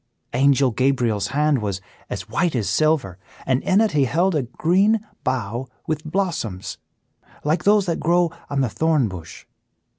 Angel Gabriel's hand was as white as silver, and in it he held a green bough with blossoms, like those that grow on the thorn bush.